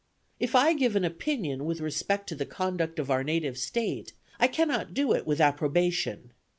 If I give an opinion with respect to the conduct of our native State, I cannot do it with approbation.